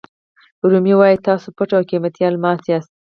رومي وایي تاسو پټ او قیمتي الماس یاست.